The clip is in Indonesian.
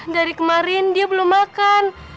dari kemarin dia belum makan